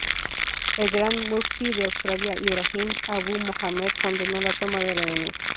El gran mufti de Australia, Ibrahim Abu Mohamed, condenó la toma de rehenes.